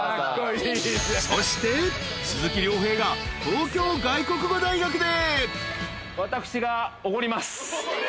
［そして鈴木亮平が東京外国語大学で］